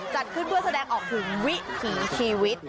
จัดขึ้นเพื่อแสดงออกถึงวิถีชีวิต